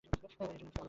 তাই এটির নাম আলুর টিলা